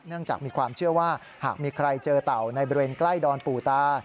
จากมีความเชื่อว่าหากมีใครเจอเต่าในบริเวณใกล้ดอนปู่ตา